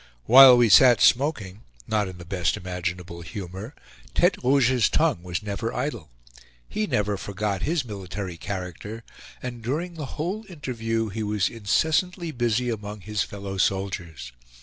While we sat smoking, not in the best imaginable humor, Tete Rouge's tongue was never idle. He never forgot his military character, and during the whole interview he was incessantly busy among his fellow soldiers.